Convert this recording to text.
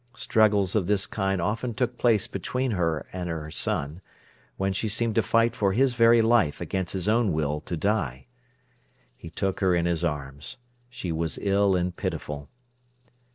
Struggles of this kind often took place between her and her son, when she seemed to fight for his very life against his own will to die. He took her in his arms. She was ill and pitiful.